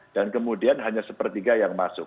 dan kemudian hanya sepertiga yang masuk